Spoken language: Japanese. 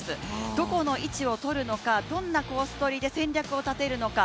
どこの位置を取るのか、どんなコース取りで戦略を立てるのか。